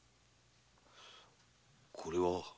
これは？